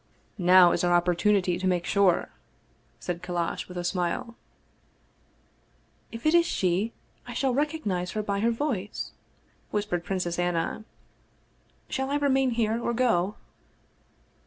" Now is our opportunity to make sure," said Kallash, with a smile. " If it is she, I shall recognize her by her voice," whis pered Princess Anna. " Shall I remain here or go